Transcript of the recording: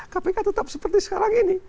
kpk tetap seperti sekarang ini